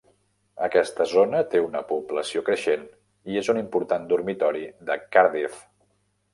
Aquesta zona té una població creixent i és un important "dormitori" de Cardiff.